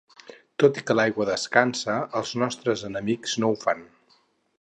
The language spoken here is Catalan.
Tot i que l'aigua descansa, els nostres enemics no ho fan.